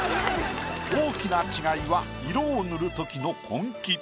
大きな違いは色を塗るときの根気。